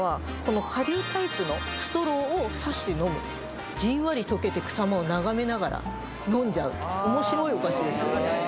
この顆粒タイプのストローをさして飲むじんわり溶けていくさまを眺めながら飲んじゃう面白いお菓子です